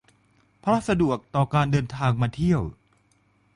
เพราะสะดวกต่อการเดินทางมาเที่ยว